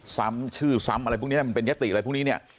ซ้ำชื่อซ้ำมันเป็นยศติอะไรพรุ่งนี้เนี่ย